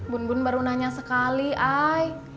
bun bun baru nanya sekali ay